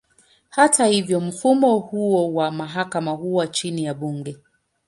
Hata hivyo, mfumo huo wa mahakama huwa chini ya bunge.